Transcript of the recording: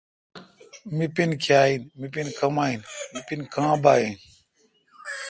می پن کیا این۔۔می پین کما این۔۔می پن کاں بااین